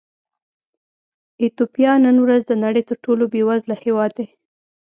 ایتوپیا نن ورځ د نړۍ تر ټولو بېوزله هېواد دی.